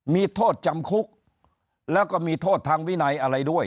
มีโทษจำคุกแล้วก็มีโทษทางวินัยอะไรด้วย